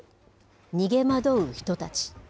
逃げ惑う人たち。